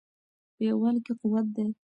په یووالي کې قوت دی.